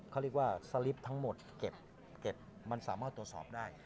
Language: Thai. เขาเรียกว่าสลิปทั้งหมดเก็บมันสามารถตรวจสอบได้